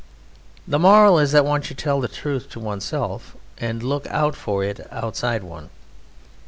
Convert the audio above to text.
The moral is that one should tell the truth to oneself, and look out for it outside one.